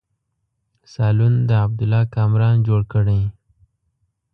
سالون د عبدالله کامران جوړ کړی.